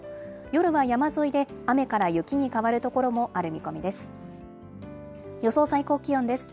夜は山沿いで雨から雪に変わる所もある見込みです。